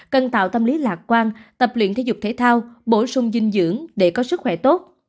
cần tạo tâm lý lạc quan tập luyện thể dục thể thao bổ sung dinh dưỡng để có sức khỏe tốt